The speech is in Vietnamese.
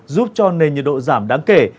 giúp cho nền nhiệt độ giảm đáng kể